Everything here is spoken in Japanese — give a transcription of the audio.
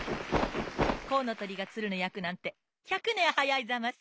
コウノトリがツルのやくなんて１００ねんはやいざます。